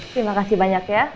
terima kasih banyak ya